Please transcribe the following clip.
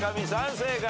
正解。